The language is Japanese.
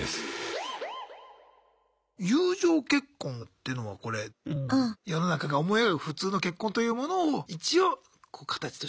友情結婚っていうのはこれ世の中が思い描く普通の結婚というものを一応形として見せるためにする結婚。